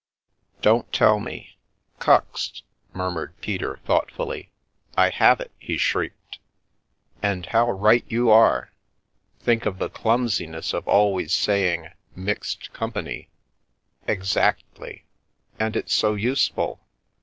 "Don't tell me. 'Cuxt' " murmured Peter thoughtfully. "I have it!" he shrieked. "And how *~\r> The Milky Way right you are. Think of the clumsiness of always say ing ' mixed company.' "" Exactly. And it's so useful.